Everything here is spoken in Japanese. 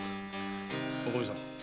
おかみさん